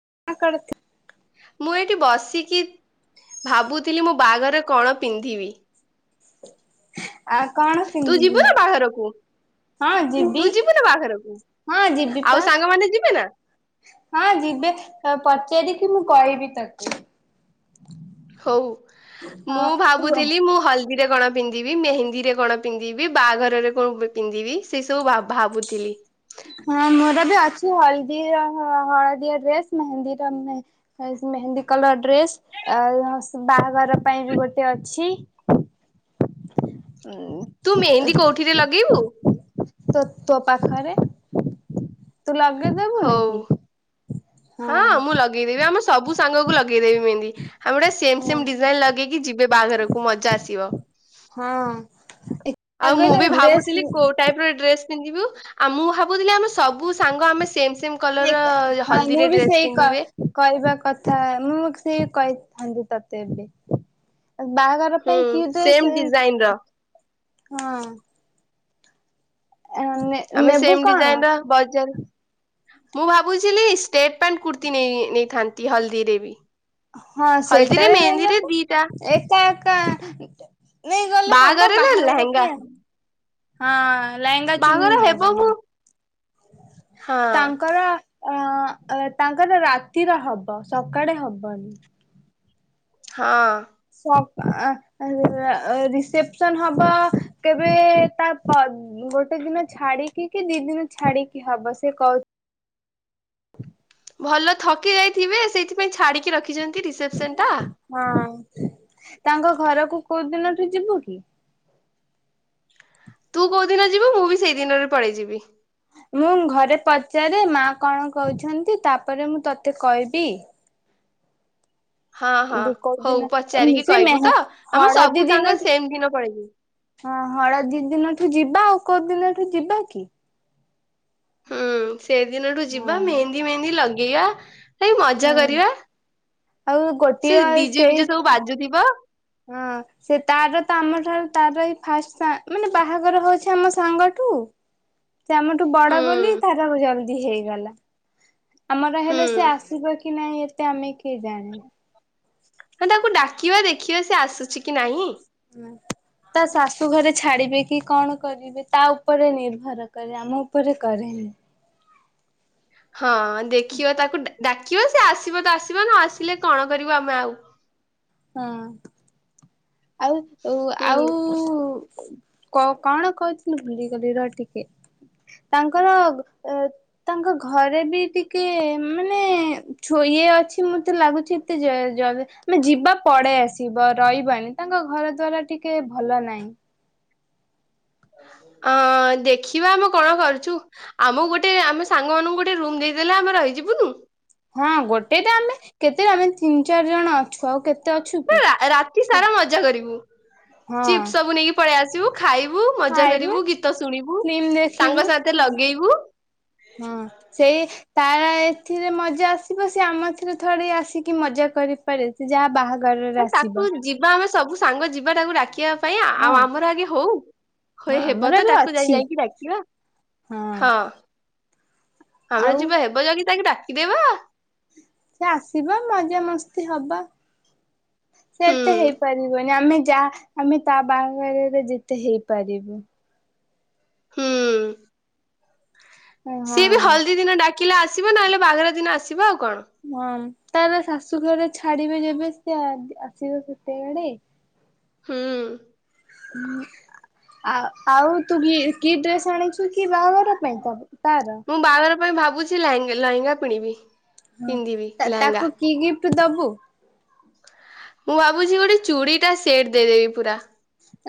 [unintelligible] ମୁଁ ଏଇଠି ବସିକି ଭାବୁଥିଲି ମୋ ବାହାଘରେ କଣ ପିନ୍ଧିବି? ଆ କଣ ତୁ ପିନ୍ଧିବୁ ଯିବୁ ନା ବାହାଘରକୁ? ହଁ ଯିବି ତୁ ଯିବୁ ନା ବାହାଘରକୁ? ହଁ ଯିବି ଆଉ ପା ସାଙ୍ଗମାନେ ଯିବେ ନା? ହଁ ଯିବି- ପଚାର କି ମୁଁ କହିବି ତାକୁ- ହଉ ମୁଁ ତୁ ଭାବୁଥିଲି ମୁଁ ହଳ - ରେ କଣ ପିନ୍ଧିବି ମେହେନ୍ଦୀ ରେ କଣ ପିନ୍ଧିବି ବାହାଘରରେ କଣ ପିନ୍ଧିବି ସେ ସବୁ ଭାବୁଥିଲି- ହଁ ମୋର ବି ହଳଦୀର ହଳଦିଆ ଡ୍ରେସ ମେହେନ୍ଦୀର ମେହେନ୍ଦୀ କଲର ଡ୍ରେସ୍ ଆ ବାହାଘର ପାଇଁ ବି ଗୋଟେ ଅଛି- ଉଁ ତୁ ମେହେନ୍ଦୀ କୋଉଠିରେ ଲଗେଇବୁ- ତୋ ତୋ ପାଖରେ- ତୁ ଲଗେଇ ଦେବୁ ହଉ। ନିକି- ହଁ ମୁଁ ଲଗେଇଦେବି ଆମ- ସବୁ ସାଙ୍ଗକୁ ଲଗେଇଦେବି ମେହେନ୍ଦି ଆମେ ଗୋଟେ ସେମ ହଁ ସେମ ଡିଜାଇନ ଲଗେଇକି ଯିବେ ବାହାଘରକୁ ମଜା ଆସିବ ହଁ। ଏ ଆଉ ମୁଁ ବି ଲଗେଇଲେ ଭାବୁଥିଲି ଡ୍ରେସ୍ କୋଉ ଟାଇପ ର ଡ୍ରେସ- ଆଉ ମୁଁ ଭାବୁଥିଲି ଆମେ ସବୁ ସାଙ୍ଗ ଆମେ ସେମ - ସେମ କଲର ହ- ହଁ ମୁଁ ବି ସେଇ କହିବା କଥା ମୁଁ ସେଇ କହି- ହଳଦୀ ତତେ ଏବେ- ବାହାଘର ହୁଁ ପାଇଁ କି ଡ୍ରେସ ସେମ ଡିଜାଇନ ର ସେ- ହଁ ନେ ଆମେ ନେବୁ ସେମ କଣ? ଡିଜାଇନ ର ବାଜାର ମୁଁ ଭାବୁଥିଲି ଷ୍ଟେଟ ପ୍ୟାଣ୍ଟ କୁର୍ତ୍ତି ନେ ନେଇ ନେଇଥାନ୍ତି ହଳଦୀରେ ବି। ହଁ ହଳଦୀରେ ସେଇଟାରେ ନେଇ ମେହେନ୍ଦୀରେ ନେବ ଦିଟା ଏଇଟା ଏକା ନେଇଗଲେ ହବ ବାହାଘରରେ ବାହାଘର ଲେହେଙ୍ଗା ପାଇଁ। ହଁ। ଲେହେଙ୍ଗା ଚୁନି ବାହାଘର ନେ ହେବ ବନା ମୁଁ ହଁ ତାଙ୍କର ଅ ତାଙ୍କର ରାତିର ହବ ସକାଳେ ହବନି। ହଁ। ସ ଅ କାଳ ରା ରିସେପସନ ହବ କେବେ ତା ତା ଗୋଟେ ଦିନ ଛାଡିକି କି ଦି ଦିନି ଛାଡିକି ହବ ସେ କହୁ ଭଲ ଥକି ଯାଇଥିବେ ସେଇଥିପାଇଁ ଛାଡିକି ରଖି ଯେମିତି ରିସେପ୍ସନ୍ ଟା। ହଁ ତାଙ୍କ ଘରକୁ କୋଉ ଦିନଠୁ ଯିବୁ କି? ତୁ କୋଉ ଦିନ ଯିବୁ ମୁଁ ବି ସେଇ ଦିନରେ ପଳେଇ ଯିବି। ମୁଁ ଘରେ ପଚାରେ ମା କଣ କହୁଛନ୍ତି ତାପରେ ମୁଁ ତୋତେ କହିବି। ହଁ ହଁ ତ ହଉ କୋଉଦିନ ପଚାରିକି ସେ କହିବୁ ତ ମେହେ ଆମ ସବୁ ହଳଦୀ ସାଙ୍ଗ ଦିନଠୁ ସେମ୍ ଦିନ ପଳେଇବୁ। ହଁ ହଳଦୀ ଦିନଠୁ ଯିବ ବା କୋଉଦିନଠୁ ଯିବା କି? ହୁଁ। ସେ ଦିନଠୁ ହଁ ଯିବା ମେହେନ୍ଦି ମେହେନ୍ଦି ଲଗ ଏୟା ସେଇ ମଜା ହଁ କରିବା ଆଉ ସେ ଗୋଟିଏ ଡିଜେ ବିଜେ ସବୁ ସେଇ ବାଜୁଥିବ। ହଁ ସେ ତାର ତ ଆମ ଠାରୁ ତାର ଫାଷ୍ଟ ମାନେ ବାହାଘର ହଉଛି ଆମ ସାଙ୍ଗଠୁ ସେ ଆମଠୁ ବଡ ବୋଲି ହୁଁ ଧରାକୁ ଚାଲଛି ହେଇଗଲା। ଆମର ହୁଁ। ହେଲେ ସେ ଆସିବ କି ନାଇଁ। ସେ ଆମେ ଠି କିଏ ଜାଣେ? ଖିବା ଦେଖିବା ସେ ଆସୁଛି କି ନାହିଁ? ତା ଶାଶୁ ଘରେ ଛାଡି କି କଣ କରିବେ ତା ଉପରେ ନିର୍ଭର କରେ ଆମ ଉପରେ କରେନି। ହଁ ଦେଖିବ ତାକୁ ଡା ଡ଼ା ଦେଖିବା ସେ ଆସିବ ତ ଆସିବ ନ ଆସିଲେ କଣ କରିବୁ ଆମେ ଆଉ। ହଉ। ଆଉ ଓ ହୁଁ ଆଉ କ କଣ କହୁଥିଲୁ ଭୁଲିଗଲି ର ଟିକେ ତାଙ୍କର ଅ ତାଙ୍କ ଘରେ ବି ଟିକେ ମାନେ ଛୁ ଇଏ ଅଛି ମତେ ଲାଗୁଛି ଏତେ ଜ ମାନେ ଯିବା ପଳେଇ ଆସିବ ରହିବନି ତାଙ୍କ ଘର ଦ୍ଵାରା ଟିକେ ଭଲ ନାହିଁ। ଅ ଦେଖିବା ଆମେ କଣ କରୁଛୁ ଆମକୁ ଗୋଟେ ଆମ ସାଙ୍ଗ ମାନଙ୍କୁ ଗୋଟେ ରୁମ ଦେଇଦେଲେ ଆମେ ରହିଯିବୁନୁ? ହଁ ଗୋଟେ ତ ଆମେ କେତେ ଆମେ ତିନି ଚାରି ଜଣ ଅଛୁ ଆଉ କେତେ? ଅଛୁ କି? ରା ରାତି ସାରା ମଜା କରିବୁ। ହଁ ଚିପ୍ ସବୁ ନେଇକି ପଳେଇ ଆ ଚୁ ଖାଇବୁ ମଜା ଖାଇବୁ କରିବୁ ଗୀତ ଶୁଣିବୁ ଫିଲ୍ମ ଦେଖିବୁ ସାଙ୍ଗ ସାଥେ ଲଗେଇବୁ ହଁ ସେଇ ତାର ଏଥିରେ ମଜା ଆସିବ ସେ ଆମଥିରେ ଥୋଡୀ ଆସିକି ମଜା କରିପାରେ ସେ ଯାହା ବାହାଘ ତାକୁ ଯିବା ଆମେ ସବୁ ସାଙ୍ଗ ଯିବା ତାକୁ ଡାକିବା ପାଇଁ ହଁ ଆଉ ଆମର ଆଗେ ହଉ ହଁ ହଇ ହେବ ଆମର ତ ଏବେ ତାକୁ ଯାଇ ଅଛି ଯାଇକି ଡାକିବା ହଁ ଆମର ଆଉ ଯିବା ହେବ ଯାଇକି ତାକୁ ଡା କି ଦେବା ସେ ଆସିବ ମଜାମସ୍ତି ହବ ସେ ହୁଁ ଏତେ ହେଇପାରିବନି ଆମେ ଯା ଆମେ ତା ବାହାଘରରେ ଯେତେ ହେଇପାରିବୁ ହୁଁ ହଁ। ସିଏ ବି ହଳଦୀ ଦିନ ଡା ଆସିଲେ ଆସିବ ନହେଲେ ବାହାଘର ଦିନ ଆସିବ ଆଉ କଣ ହଁ ତାର ଶାଶୁଘରେ ଛାଡିବେ ଯେବେ ସେ ଆସିବ ସେତେବେଳେ ହୁଁ ଆଉ ତୁ କି କି ଡ୍ରେସ୍ ଆଣିଛୁ କି ବାହାଘର ପାଇଁ ତୋର ତାର? ମୁଁ ବାହାଘର ପାଇଁ ଭାବୁଛି ଲ ଲେହେଙ୍ଗା ପିଣିବି। ହଁ ତାକୁ କି ଗିଫ୍ଟ ତୁ ଦବୁ ମୁଁ ଭାବୁଛି ଗୋଟେ ଚୁଡ଼ି ଟା ସେଟ୍ ଦେଇଦେବି ପୁରା।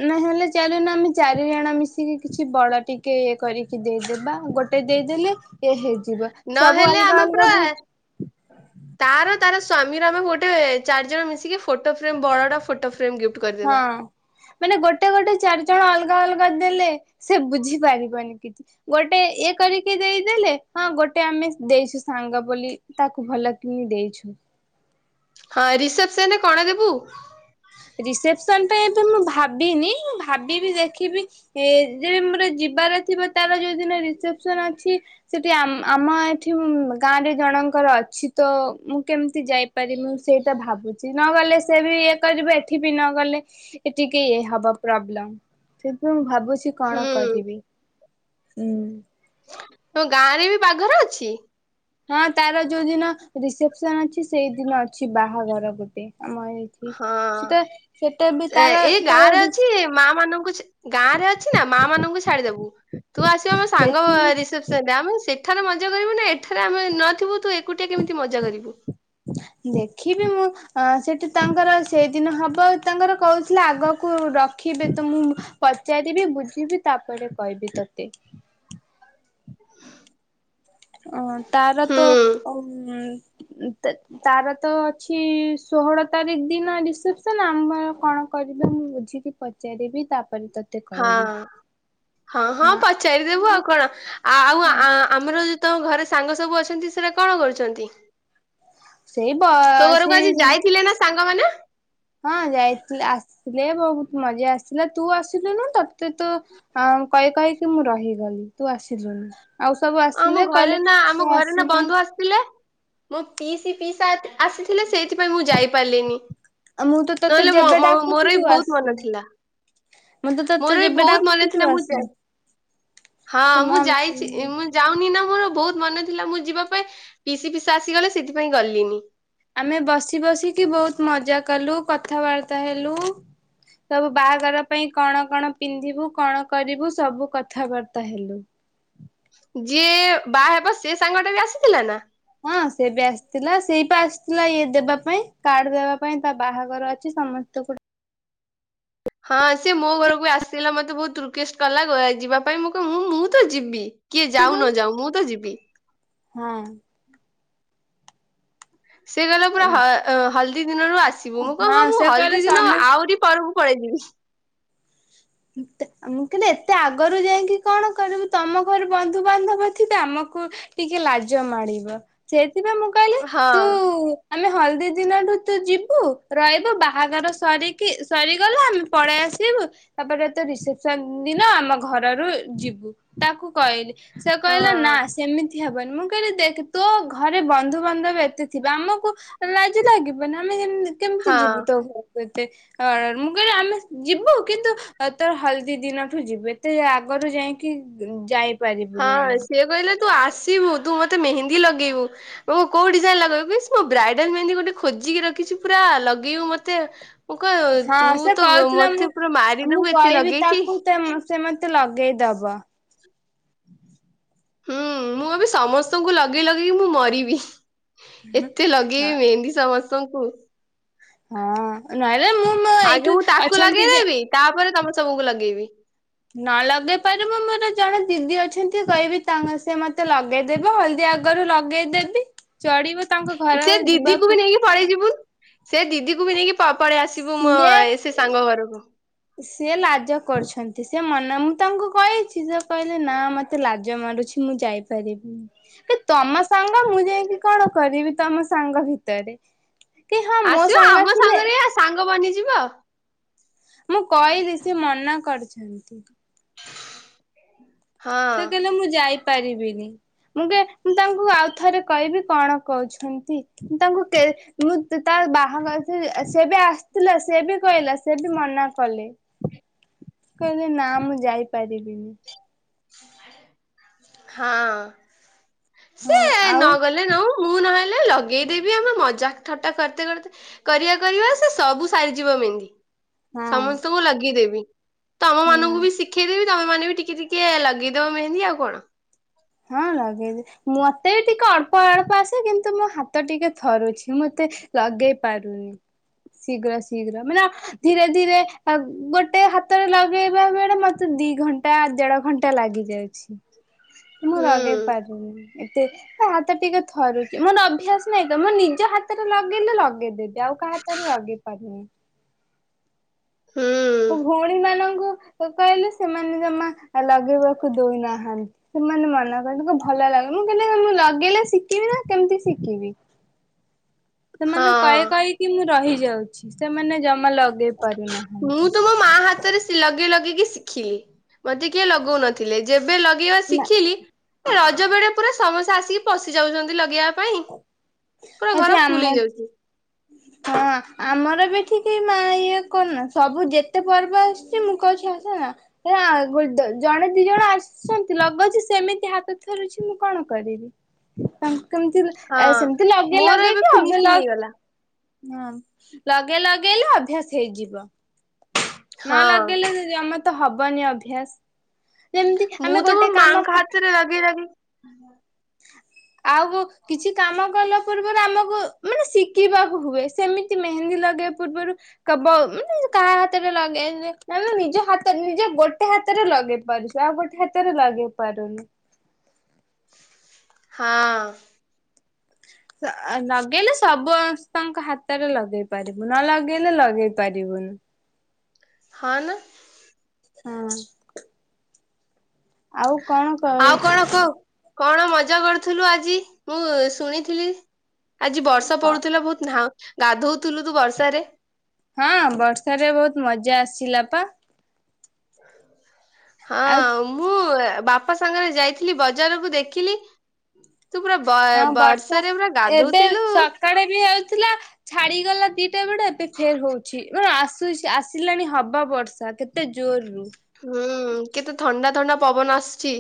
ନ ହେଲେ ଚାଲେ ନା ଆମେ ଚାରିଜଣ ମିଶିକି କିଛି ବଡ ଟିକେ କରିକି ଦେଇଦବା ଗୋଟେ ଦେଇଦେଲେ ଇଏ ହେଇଯିବ। ସବୁ ନହେଲେ ଅଲଗା ଆମ ଅଲଗା ପୁରା ବୁଝ ତାର ତାର ସ୍ୱାମୀ ର ଆମେ ଗୋଟେ ଚାରି ଜଣ ମିଶିକି ଫଟୋ ଫ୍ରେମ ବଡଟା ଫଟୋ ଫ୍ରେ ହଁ ମାନେ ଗୋଟେ ଗୋଟେ ଚାରିଜଣ ଅଲଗା ଅଲଗା ଦେଲେ ସେ ବୁଝି ପାରିବନି କିଛି ଗୋଟେ ଇଏ କରିକି ଦେଇଦେଲେ ହଁ ଗୋଟେ ଆମେ ଦେଇଛୁ ସାଙ୍ଗ ବୋଲି ତାକୁ ଭଲ କିନି ଦେଇଛୁ। ହଁ ରିସେପସନରେ କଣ ଦେବୁ? ରିସେପସନ ପାଇଁ ଏବେ ମୁଁ ଭାବିନି ଭାବିବି ଦେଖିବି ଏ ଯେ ମୋର ଯିବାର ଥିବ ତାର ଯୋଉଦିନ ରିସେପସନ ଅଛି ସେଠି ଆମ ଏଠି ଗାଁରେ ଜଣଙ୍କର ଅଛି ତ ମୁଁ କେମିତି ଯାଇପାରିବି। ସେଇଟା ଭାବୁଛି ନ ଗଲେ ସେ ବି ଏ [unintelligible] ଏଠି ବି ନ ଗଲେ ଟିକେ ହବ ପ୍ରୋବ୍ଲେମ୍ ସେଥିପାଇଁ ମୁଁ ଭାବୁଛି ବୁଛି କଣ ହୁଁ କରିବି ହୁଁ। ତମ ଗାଁ ରେ ବି ବାଘରେ ଅଛି? ହଁ ତାର ଯୋଉ ଦିନ ରିସେପସନ ଅଛି ସେଇଦିନ ଅଛି ବାହାଘର ଗୋଟେ। ଆମ ଏଇଠି ହଁ ସେଟା ସେଟା ବି ତାର ଏଇ ଗାଁ ତାର ରେ ଅଛି ମା ମାନଙ୍କୁ ଗାଁ ରେ ଅଛି ନା ମା ମାନଙ୍କୁ ଛାଡିଦବୁ ତୁ ଆସିବୁ ଆମ ସାଙ୍ଗ ଦେଖିବି ରିସେପସନ ରେ ଆମେ ସେ ସେଠାରେ ମଜା କରିବୁ ନା ଏଠାରେ ଆମେ ନଥିବୁ ତୁ ଏକୁଟିଆ କେମିତି ମଜା କରିବୁ ଦେଖିବି ମୁଁ ଅ ସେଠି ତାଙ୍କର ସେଇଦିନ ହବ ଆଉ ତାଙ୍କର କହୁଥିଲେ ଆଗକୁ ରଖିବେ ତ ମୁଁ ପଚାରିବି ବୁଝିବି ତାପରେ କହିବି ତତେ। ଅ ତାର ତ ହୁଁ ଉଁ ତାର ତ ଅଛି ଷୋହଳ ତାରିଖ ଦିନ ରିସେପସନ ଆମ କଣ କରିବେ ମୁଁ ବୁଝିକି ପଚାରବି ତାପ ହଁ ହଁ ହଁ ପଚାରିଦେବୁ ଆଉ କଣ ଆଉ ହଁ ଆମର ତମ ଘରେ ସାଙ୍ଗ ସବୁ ଅଛନ୍ତି ସେଟା କଣ କରୁଛନ୍ତି? ସେଇ ବ ତୋ ଘରକୁ ଆଜି ସେଇ ଯାଇଥିଲେ ନା ସାଙ୍ଗ ଙ୍ଗ ମାନେ ହଁ ଯାଇଥିଲେ ଆସିଥିଲେ ବହୁତ ମଜା ଆସିଲା ତୁ ଆସିଲୁନୁ ତତେ ତତେ ତ କହି କହି ମୁଁ ରହିଗଲି ତୁ ଆସିଲୁନି। ଆଉ ସବୁ ଆମ ଆସିଲେ ଘରେ କହିଲେ ନା ଆମ ସେ ଘରେ ନା ଆସିଲା ବନ୍ଧୁ ଆସିଥିଲେ। ମୋ ପିସି ପିଇଶା ଆସିଥିଲେ ସେଇଥି ମୁଁ ଯାଇପାରିଲି ମୁଁ ତ ତତେ ନହେଲେ ଯେବେ ଡାକୁଛି ମୋର ବି ତୁ ବହୁତ ମନ ଆସୁନୁ ଥିଲା ମୁଁ ତ ତତେ ମୋର ବି ଯେବେ ବହୁତ ମନ ଡାକୁଛି ତୁ ଥିଲା ମୁଁ ଆସୁନୁ। ହଁ ମୁଁ ଯାଇଛି ମୁଁ ମୀନା ମୋର ବହୁତ ମନେ ଥିଲା ମୁଁ ଯିବା ପାଇଁ ପିସି ପିଇସା ଆସିଗଲେ ସେଥିପାଇଁ ଗଲିନି। ଆମେ ବସି ବସିକି ବହୁତ ମଜା କଲୁ କଥାବାର୍ତ୍ତା ହେଲୁ ସବୁ ବାହାଘର ପାଇଁ କଣ କଣ ପିନ୍ଧିବୁ କଣ କରିବୁ ସବୁ କଥାବାର୍ତ୍ତା ହେଲୁ। ଯିଏ ବାହା ହେବ ସେ ସାଙ୍ଗ ଟା ବି ଆସିଥିଲା ନା? ହଁ ସେ ବି ଆସିଥିଲା। ସେଇପା ଆସିଥିଲା ଇଏ ଦେବା ପାଇଁ କାର୍ଡ ଦେବା ପାଇଁ ତା ବାହାଘର ଅଛି ସମସ୍ତଙ୍କୁ ହଁ ସେ ମୋ ଘରକୁ ଆସିିଲା ମତେ ବହୁତ ରିକେଷ୍ଟ କଲା ଯିବା ପାଇଁ ମୁଁ କ ମୁଁ ତ ଯିବି। କିଏ ଯାଉ ନ ଯାଉ ମୁଁ ତ ଯିବି। ହଁ। ସେ କହିଲା ପୁରା ହ ହଲ ଦିନରୁ ଆସିବୁ ମୁଁ କଣ ହଁ ମୁଁ ସେ କହିଲେ ହଳଦୀ ଦିନ ସମସ୍ତେ ଆହୁରି ପରୁ ପଳେଇ ଯିବି। ମୁଁ କହିଲି ଏତେ ଆଗରୁ ଯାଇକି କଣ କରିବୁ ତମ ଘରେ ବନ୍ଧୁବାନ୍ଧବ ଥିବେ ଆମକୁ ଟିକେ ଲାଜ ମାଡ଼ିବ ସେ ସେଥି ପାଇଁ ମୁଁ କହିଲି ହଁ ତୁ ଆମେ ହଳଦୀ ଦିନଠୁ ତୁ ଯିବୁ ରହିବୁ ବାହାଘର ସରିକି ସରିଗଲା ଆମେ ପଳେଇ ଆସିବୁ। ତାପରେ ତ ରିସେପସନ ଦିନ ଆମ ଘର ରୁ ଯିବୁ ତାକୁ କହିଲି ସେ ହଁ କହିଲା ନା ସେମିତି ହେବ ନି ମୁଁ କହିଲି ଦେଖି ତୋ ଘରେ ବନ୍ଧୁବାନ୍ଧବ ଏତେ ଥିବ ଆମକୁ ଲାଜ ଲାଗିବନି ଆମେ କିମିତି କେମିତି ହଁ ଯିବୁ ତୋ ଘରକୁ ମୁଁ କହିଲି ଆମେ ଯିବୁ କିନ୍ତୁ ତୋର ହଳଦୀ ଦିନଠୁ ଯିବୁ ଏତେ ଆଗରୁ ଯାଇକି ଯାଇ ହଁ ସିଏ କହିଲା ତୁ ଆସିବୁ ତୁ ମତେ ମେହେନ୍ଦୀ ଲଗେଇବୁ ମୁଁ କୋଉ ଡିଜାଇନ ଲଗେଇବୁ କି ମୋ ବ୍ରାଇଡାଲ ମେହେନ୍ଦୀ ଗୋଟେ ଖୋଜିକି ରଖିଛୁ ପୁରା ଲଗେଇବୁ ମତେ ମୁଁ କହ ହଁ ତୁ ସେ ତ କହୁଥିଲା ମତେ ମୁଁ ପୁରା ମୁଁ ମାରିଦବୁ ଏତେ କହିବି ଲଗେଇକି। ତାକୁ ସେ ତଲଗେ଼ଇଦ ଦବ। ହୁଁ ମୁଁ ଏବେ ସମସ୍ତଙ୍କୁ ଲଗେଇ ଲଗେଇକି ମୁଁ ମରିବି। ଏତେ ଲଗେଇବି ମେହେନ୍ଦୀ ସମସ୍ତେ ତାକୁୁ ହଁ ନହଲେ ମୁଁ ଏଇଠୁ ଅଛନ୍ତି ଯେ କାମ ସବୁକୁ ଲଗେଇବି। ନ ଲଗେଇ ପାରିବୁ ମୋର ଜଣେ ଦିଦି ଅଛନ୍ତି କହିବି ତାଙ୍କ ସେ ମତେ ଲଗେଇଦେବ ହଳଦୀ ଆଗରୁ ଲଗେଇଦେବି ଚଢିବ ତାଙ୍କ ଘର ସେ ଦିଦିକୁ ବି ଯିବାକୁ ନେଇକି ପଳେଇ ଯିବୁ ସେ ଦିଦିକୁ ବି ନେଇକି ପପ ପଳେଇ ଆସିବୁ ମୋ ସିଏ ସେ ସାଙ୍ଗ ଘରକୁ। ସେ ଲାଜ କରୁଛନ୍ତି। ସେ ମନ ମୁଁ ତାଙ୍କୁ କହିଛି ସେ କହିଲେ ନା ମତେ ଲାଜ ମାରୁଛି ମୁଁ ଯାଇପାରିବିନି ତମ ସାଙ୍ଗ ମୁଁ ଯାଇକି କଣ କରିବି ତମ ସାଙ୍ଗ ଭିତରେ କି ହଁ ମୋ ଆସିବ ସାଙ୍ଗ ଆମ ଥିଲେ ସାଙ୍ଗରେ ସାଙ୍ଗ ବନି ଯିବ ମୁଁ କହିଲି ସେ ମନା କରିଛନ୍ତି। [inaudible] ସେ କହିଲେ ମୁଁ ଯାଇ ପରିବିନି ମୁଁ ମୁଁ ତାଙ୍କୁ ଆଉ ଥରେ କହିବି କଣ କହୁଛନ୍ତି। ତାଙ୍କୁ ମୁଁ ତ ବାହାଘର ସେ ବି ଆସିଥିଲା ସେ ବି କହିଲା ସେ ବି ମନା କଲେ କହିଲେ ନା ମୁଁ ଯାଇପାରିବିନି। ହଁ। ହଁ ସେଏ ଆଉ ନଗଲେ ନଉ ମୁଁ ନହେଲେ ଲଗେଇଦେବି ଆମେ ମଜା ଠଟା କରତେ କରତେ କରିବା କରିବା ସେ ସବୁ ସାରିଯିବ ମେହିନ୍ଦୀ। ହଁ ସମସ୍ତଙ୍କୁ ଲଗେଦେବି। ତ ଆମ ମାନଙ୍କୁ ହଁ। ବି ଶିଖେଇ ଦେବ ତମେ ମନେ ବି ଟିକେ ଟିକେ ଟଏ ଲଗେଇଦବ ମେହେନ୍ଦୀ ଆଉ କଣ। ହଁ ଲଗେଇଦ ମତେ ବି ଟିକେ ଅଳ୍ପ ଅଳ୍ପ ଆସେ କିନ୍ତୁ ମୋ ହାତ ଟିକେ ଥରୁଛି ମତେ ଲଗେଇ ପାରୁନି ଶୀଘ୍ର ଶୀଘ୍ର ମାନେ ଧୀରେ ଧୀରେ ଗୋଟେ ହାତରେ ଲଗେଇବା ବେଳେ ମତେ ଦି ଘଣ୍ଟା ଦେଢ ଘଣ୍ଟା ଲାଗି ଯାଉଛି। ମୁଁ ହୁଁ ଲଗେଇ ପାରୁନି। ଏତେ ସେ ହାତ ଟିକେ ଥରୁଛି ମୋର ଅଭ୍ୟାସ ନହିଁ ତ ମୁଁ ନିଜ ହାତରେ ଲଗେଇଲେ ଲଗେଇଦେବି। ଆଉ କା ହାତରେ ଲଗେଇ ପାରିବିନି। ହୁଁ ଭଉଣୀ ମାନଙ୍କୁ କହିଲେ ସେମାନେ ଜମା ଲଗେଇବାକୁ ଦଉନାହାନ୍ତି ସେମାନେ ମନା କଲେ ତାକୁ ଭଲ ଲାଗେ ମୁଁ ମୁ ଲଗେଇଲେ ଶିଖିବି ନା କେମତି ଶିଖିବି? ସେମାନଙ୍କୁ ହଁ। କହି କହିକି ମୁଁ ରହି ରହି ଯାଉଛି ସେମାନେ ଜମା ଲଗେଇ ପାରୁନାହାନ୍ତି। ମୁଁ ତ ମୋ ମା ହାତରେ ସି ଲଗେଇ ଲଗେଇ ଶିଖିଲି ମତେ କିଏ ଲଗଉନଥିଲେ ଯେ ଯେବେ ଲଗେଇବା ନା ଶିଖିଲି ରଜ ବେଳେ ପୁରା ସମସ୍ତେ ଆସିକି ପଶି ଯାଉଛନ୍ତି ଲଗେଇବା ପାଇଁ। ପୁରା ଏଠି ଘର ଫୁଲ ଆମ ହେଇଯାଉଛି। ହଁ ଆମର ବି ଏଠିକି ମା ଇଏ କରନା ସବୁ ଯେତେ ପର୍ବ ଆସୁଛି ମୁଁ କହୁଛି ଆସ ଜଣେ ଦି ଜଣ ଆସୁଛନ୍ତି ଲଗେଉଛି ସେମିତି ହାତ ଥରୁଛି ମୁଁ କଣ କରିବି? କେମତି ଏ ହଁ ସେମ ମୋର ଏବେ ଫିନିଶିଙ୍ଗ ହେଇଗଲା। ହଁ ଲଗେଇ ଲଗେଇଲେ ଅଭ୍ୟାସ ହେଇଯିବ। ନ ହଁ। ଲଗେଇଲେ ଜମା ତ ହବ ବନି ଅଭ୍ୟାସ। ଯେମିତି ମୁଁ ଆମେ ତ ମୋ ଗୋଟେ ମାଙ୍କ କାମ ହାତରେ ଲଗେଇ ଲଗେଇ ଆଉ କିଛି କାମ କଲା ପୂର୍ବରୁ ଆମକୁ ମାନେ ଶିଖିବାକୁ ହୁଏ ସେମିତି ମେହେନ୍ଦୀ ଲଗେଇବା ପୂର୍ବରୁ ମାନେ କାହା ହାତରେ ଲଗେଇ ନେଲେ ନିଜ ହାତ ନିଜ ଗୋଟେ ହାତରେ ଲଗେଇ ପାରୁଛ ଆଉ ଗୋଟେ ହାତରେ ଲଗେଇ ପାରୁନୁ। ହଁ। ଲଗେଇଲେ ସମସ୍ତଙ୍କ ହାତରେ ଲଗେଇ ପାରିବୁ ନ ଲଗେଇଲେ ଲଗେଇ ପାରିବୁନି। ହଁ ନା। ହଁ। ଆଉ କଣ କହୁ ଆଉ କଣ କହ କଣ ମଜା କରୁଥୁଲୁ ଆ ଆଜି ମୁଁ ଶୁଣିଥିଲି। ଆଜି ବର୍ଷ ପଡୁଥିଲା ବହୁତ ଧା ଗାଧଉଥିଲୁ ତୁ ବର୍ଷାରେ। ହଁ ବର୍ଷରେ ବହୁତ ମଜା ଆସିିଲା ପା। ହଁ ଆଉ ମୁଁ ବାପା ସାଙ୍ଗରେ ଯାଇଥିଲି ବଜାରକୁ ଦେଖିଲି ତୁ ପୁରା ବ ହଁ ବର୍ଷା ବର୍ଷାରେ ପୁରା ଏବେ ଗାଧଉଥିଲୁ। ସକାଳେ ବି ଆଉ ଥିଲା ଛାଡିଗଲା ଦି ଟା ବେଳେ ଏବେ ଫେରେ ହଉଛି। [unintelligible] ସୁଇଛି ଆସିଲାଣି ହବ ବର୍ଷା କେତେ ଜୋରରୁ। ହୁଁ କେତେ ଥଣ୍ଡା ଥଣ୍ଡା ପବନ ଆସୁଛି।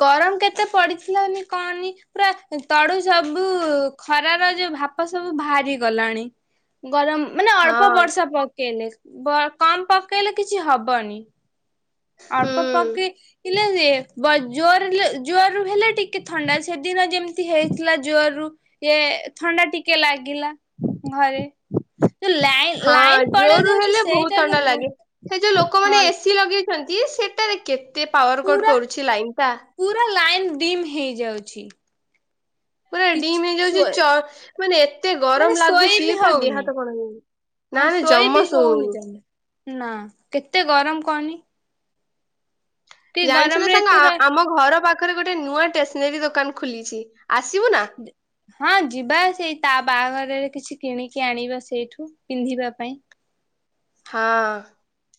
ଗରମ କେତେ ପଡିଥିଲାନି କହନି ପୁରା ତଡୁ ସବୁ ଖରାର ଯୋଉ ବାମ୍ପ ସବୁ ବାହାରି ଗଲାଣି। ଗରମ ମାନେ ଅଳ୍ପ ହଁ ବର୍ଷା ପକେଇଲେ। କମ ପକେଇଲେ କିଛି ହବନି। ହୁଁ ଆଳପ ପାକ ହେ ଜୋର ଜୋରରୁୁ ହେଲେ ଟିକେ ଥଣ୍ଡା ସେଦିନ ଯେମିତି ହେଇଥିଲା ଜୋରରୁୁ ଏ ଥଣ୍ଡା ଟିକେ ଲାଗିଲା ଘରେ ଯୋଉ ଲାଇନ ହଁ ଲାଇନ ପଡେଇ ଜୋରରୁୁ ଯାଉଛି ହେଲେ ବହୁତ ସେଇଟାରେ ଥଣ୍ଡା ବହୁ ଲାଗେ ସେ ଯୋଉ ହଁ ଲୋକମାନୋନେ ଏସି ଲଗେଇ ସେଟାରେ କେତେ ସେ ପାୱାର କୋଟ ପୁରା କରୁଛି ଲାଇନ ଟା ପୁରା ଲାଇନ ଡିମ୍ ହେଇଯାଉଛି, ପୁରା କିଛି ଡିମ୍ ହେଇଯାଉଛି ଶୋଇ ମାନେ ଏତେ ମାନେ ଗରମ ଶୋଇ ଲାଗୁଛି ବି ପୁରା ଦେହ ହଉନି ହାତ କଣ ହେନି ନା ହଁ ଶୋଇ ବି ଜମ ହଉନି ଶୁଉନି କନି [inaudible] ଜାଣିଛୁ ନା ସାଙ୍ଗ ଏତେ ରହି ଆମ ଘର ପାଖରେ ପାଖରେ ଗୋଟେ ନୂଆ ଷ୍ଟେସନାରୀ ଦୋକାନ ଖୋଲିଛି, ଆସିବୁ ନା? ହଁ ଯିବା ସେଇ ତା ବାହାଘରରେ କିଛି କିଣିକି ଆଣିବା ସେଇଠୁ ପିନ୍ଧିବା ପାଇଁ ହଁ